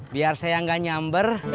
biar saya gak nyamber